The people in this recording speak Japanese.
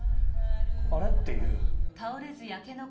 あれ？っていう。